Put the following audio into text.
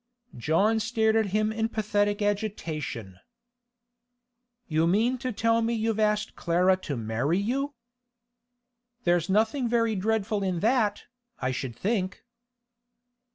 John stared at him in pathetic agitation. 'You mean to tell me you've asked Clara to marry you?' 'There's nothing very dreadful in that, I should think.